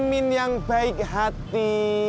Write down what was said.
mimin yang baik hati